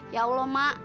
ya allah mak